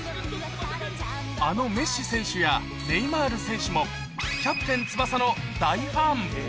あのメッシ選手や、ネイマール選手も、キャプテン翼の大ファン。